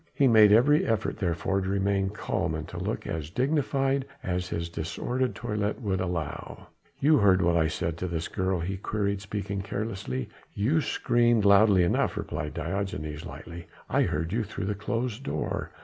He made every effort therefore to remain calm and to look as dignified as his disordered toilet would allow. "You heard what I said to this girl?" he queried, speaking carelessly. "You screamed loudly enough," replied Diogenes lightly. "I heard you through the closed door.